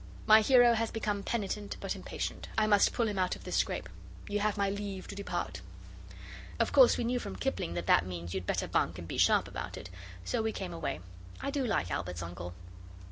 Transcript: My hero has become penitent, but impatient. I must pull him out of this scrape. Ye have my leave to depart.' Of course we know from Kipling that that means, 'You'd better bunk, and be sharp about it,' so we came away. I do like Albert's uncle.